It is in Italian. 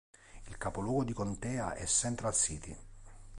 Il capoluogo di contea è Central City.